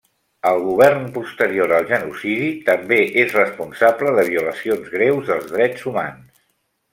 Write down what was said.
El govern posterior al genocidi també és responsable de violacions greus dels drets humans.